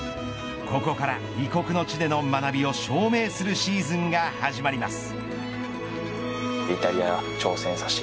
ここから異国の地での学びを証明するシーズンが始まります。